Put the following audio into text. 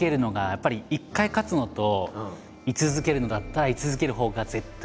やっぱり一回勝つのと居続けるのだったら居続けるほうが絶対難しい。